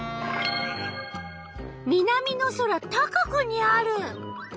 南の空高くにある。